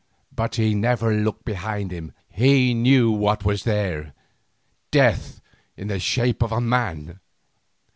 But he never looked behind him; he knew what was there—death in the shape of a man!